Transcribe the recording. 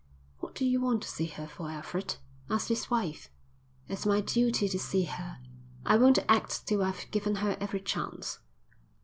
"What do you want to see her for, Alfred?" asked his wife. "It's my duty to see her. I won't act till I've given her every chance."